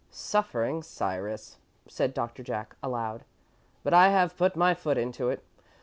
"Suffering Cyrus," said Doctor Jack, aloud, "but I have put my foot into it.